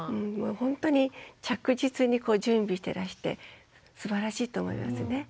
ほんとに着実に準備してらしてすばらしいと思いますね。